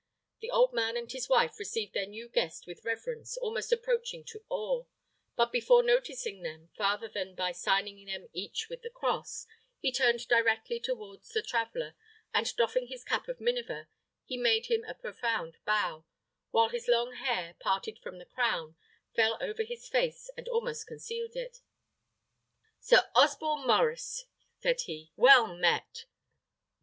The old man and his wife received their new guest with reverence almost approaching to awe; but before noticing them farther than by signing them each with the cross, he turned directly towards the traveller, and doffing his cap of miniver, he made him a profound bow, while his long hair, parted from the crown, fell over his face and almost concealed it. "Sir Osborne Maurice," said he, "well met!"